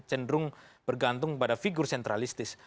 cenderung bergantung pada figur sentralistis